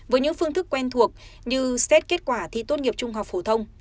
với những phương thức quen thuộc như xét kết quả thi tốt nghiệp trung học phổ thông